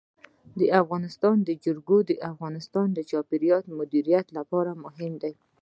د افغانستان جلکو د افغانستان د چاپیریال د مدیریت لپاره مهم دي.